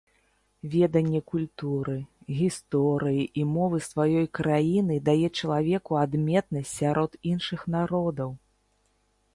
Веданне культуры, гісторыі і мовы сваёй краіны дае чалавеку адметнасць сярод іншых народаў.